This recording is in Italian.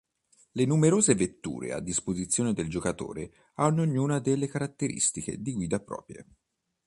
Le numerose vetture a disposizione del giocatore hanno ognuna delle caratteristiche di guida proprie.